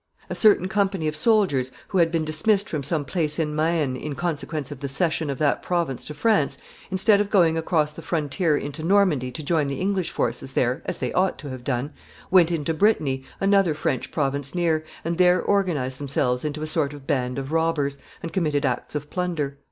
A certain company of soldiers, who had been dismissed from some place in Maine in consequence of the cession of that province to France, instead of going across the frontier into Normandy to join the English forces there, as they ought to have done, went into Brittany, another French province near, and there organized themselves into a sort of band of robbers, and committed acts of plunder.